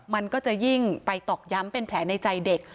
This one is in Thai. มันก็จะยิ่งไปตอกย้ำเป็นแผลในใจเด็ก